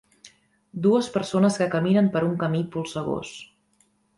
Dues persones que caminen per un camí polsegós.